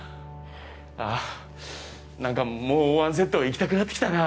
あなんかもう１セット行きたくなってきたな。